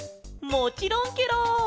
もちろんケロ！